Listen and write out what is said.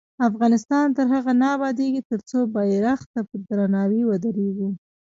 افغانستان تر هغو نه ابادیږي، ترڅو بیرغ ته په درناوي ودریږو.